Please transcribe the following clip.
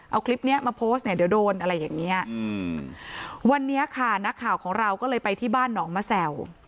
เอาคลิปเนี้ยมาโพสต์เนี่ยเดี๋ยวโดนอะไรอย่างเงี้ยอืมวันนี้ค่ะนักข่าวของเราก็เลยไปที่บ้านหนองมะแสว